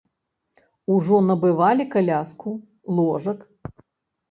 Ужо набывалі каляску, ложак?